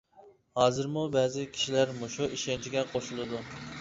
ھازىرمۇ بەزى كىشىلەر مۇشۇ ئىشەنچكە قوشۇلىدۇ.